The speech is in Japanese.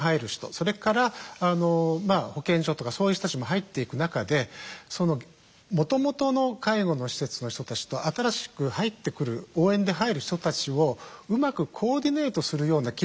それから保健所とかそういう人たちも入っていく中でもともとの介護の施設の人たちと新しく応援で入る人たちをうまくコーディネートするような機能が必要なんですね。